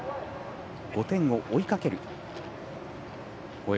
５点を追いかける攻撃。